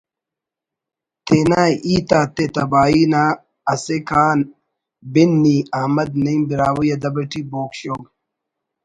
تینا ہیت آتے تباہی نا اسیکا بن نی'' احمد نعیم براہوئی ادب اٹی بوگ شوگ